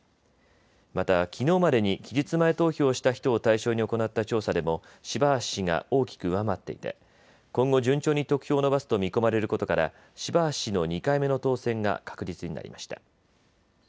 また、きのうまでに期日前投票をした人を対象に行った調査でも、柴橋氏氏が大きく上回っていて今後、順調に得票を伸ばすと見込まれることから柴橋氏の２回目の当選が確実になりました。